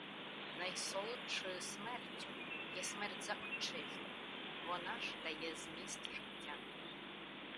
Найсолодшою смертю є смерть за Отчизну. Вона ж дає зміст життя.